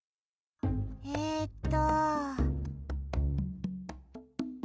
えっと。